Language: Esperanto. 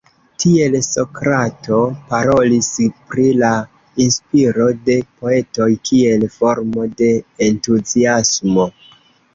Tiele Sokrato parolis pri la inspiro de poetoj kiel formo de Entuziasmo.